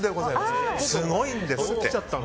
すごいんですって。